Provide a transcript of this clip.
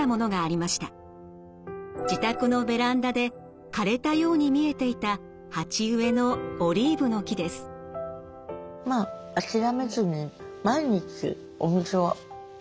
自宅のベランダで枯れたように見えていた鉢植えのオリーブの木です。って思って。